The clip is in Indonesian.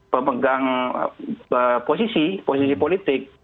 pemegang posisi posisi politik